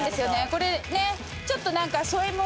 これねちょっと何か。